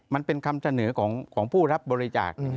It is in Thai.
มันเป็นคำเสนอของผู้รับบริจาค